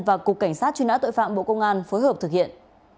và cục cảnh sát truy nã tội phạm bộ công an phối hợp thực hiện